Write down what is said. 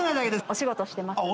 お仕事してますので。